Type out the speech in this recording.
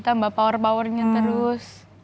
tambah power powernya terus